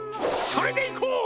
それでいこう！